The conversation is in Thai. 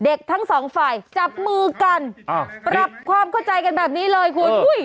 ทั้งสองฝ่ายจับมือกันปรับความเข้าใจกันแบบนี้เลยคุณ